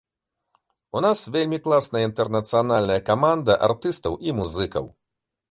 У нас вельмі класная інтэрнацыянальная каманда артыстаў і музыкаў.